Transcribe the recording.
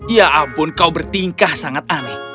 ya ampun kau bertingkah sangat aneh